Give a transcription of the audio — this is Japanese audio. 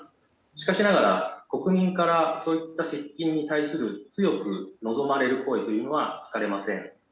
しかしながら国民からそういった接近に対する強く望まれる声は聞かれません。